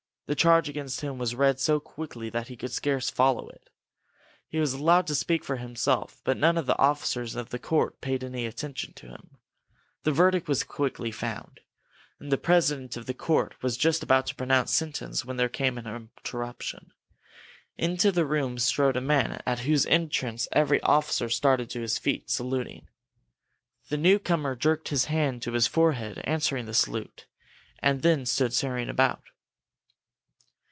The charge against him was read so quickly that he could scarcely follow it. He was allowed to speak for himself, but none of the officers of the court paid any attention to him. The verdict was quickly found. And the president of the court was just about to pronounce sentence when there was an interruption. Into the room strode a man at whose entrance every officer started to his feet, saluting. The newcomer jerked his hand to his forehead, answering the salute, and then stood staring about.